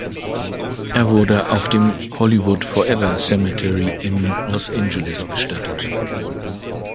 Er wurde auf dem "Hollywood Forever Cemetery" in Los Angeles bestattet.